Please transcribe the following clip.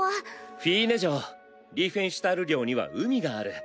フィーネ嬢リーフェンシュタール領には海がある。